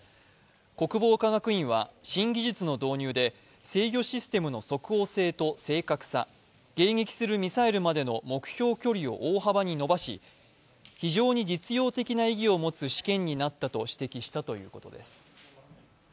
国防科学院は新技術の導入で制御システムの即応性と正確さ迎撃するミサイルまでの目標距離を大幅に延ばし非常に実用的な意義を持つ試験になったと指摘したということです。